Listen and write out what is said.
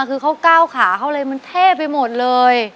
คือเขาก้าวขาเขาเลยมันเท่ไปหมดเลย